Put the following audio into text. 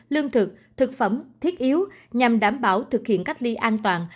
lương thực thực phẩm thiết yếu nhằm đảm bảo thực hiện cách ly an toàn